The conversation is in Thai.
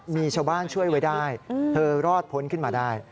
มีชาวบ้านช่วยไว้ได้เธอรอดพ้นขึ้นมาได้